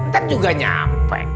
nanti juga nyampe